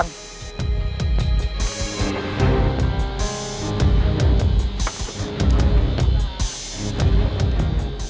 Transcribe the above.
untuk musim ini sayang